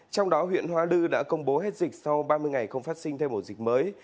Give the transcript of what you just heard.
trong đó huyện hoa lư đã công bố hết dịch sau ba mươi ngày không phát sinh thêm ổ dịch mới